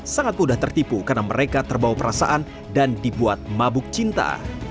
sangat mudah tertipu karena mereka terbawa perasaan dan dibuat mabuk cinta